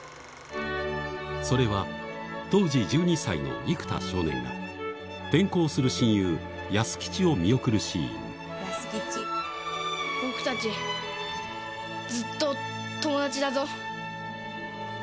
それは当時１２歳の生田少年が転校する親友安吉を見送るシーン僕たちずっと友達だぞ。